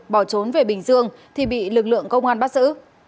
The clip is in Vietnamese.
bỏ trốn về bình dương thì bị lực lượng công an bắt giữ